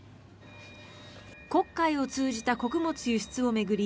黒海を通じた穀物輸出を巡り